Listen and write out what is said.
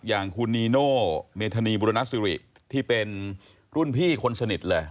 อย่างคุณนีโน่เมธานีบุรณสิริที่เป็นรุ่นพี่คนสนิทเลย